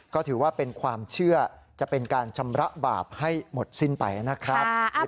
ก็ถือว่าเป็นความเชื่อจะเป็นการชำระบาปให้หมดสิ้นไปนะครับ